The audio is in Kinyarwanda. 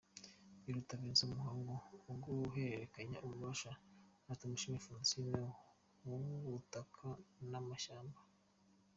Biruta Vincent, mu muhango wo guhererekanya ububasha na Tumushime Francine w’Ubutaka n’Amashyamba.